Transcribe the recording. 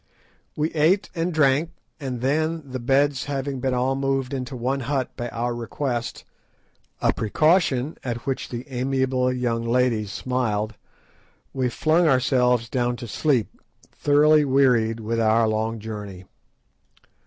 We ate and drank, and then, the beds having been all moved into one hut by our request, a precaution at which the amiable young ladies smiled, we flung ourselves down to sleep, thoroughly wearied with our long journey.